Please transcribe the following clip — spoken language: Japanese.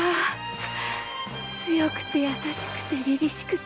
強くて優しくて凛々しくて。